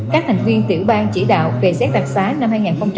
các thành viên tiểu bang chỉ đạo về xét đặc sá năm hai nghìn hai mươi hai